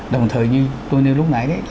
đồng thời như tôi nói lúc nãy đấy